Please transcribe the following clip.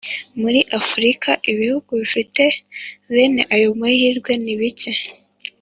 Muri Afurika, ibihugu bifite bene ayo mahirwe ni bike.